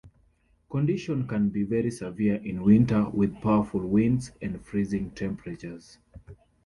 Conditions can be very severe in winter, with powerful winds and freezing temperatures.